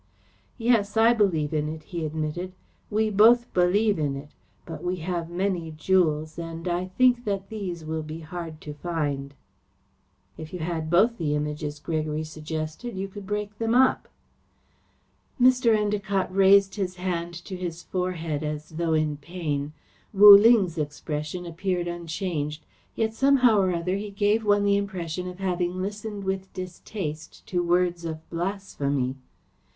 "Yes, I believe in it," he admitted. "We both believe in it, but we have many jewels and I think that these will be hard to find." "If you had both the Images," Gregory suggested, "you could break them up." Mr. Endacott raised his hand to his forehead as though in pain. Wu Ling's expression appeared unchanged. Yet somehow or other he gave one the impression of having listened with distaste to words of blasphemy.